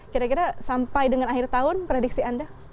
kira kira sampai dengan akhir tahun prediksi anda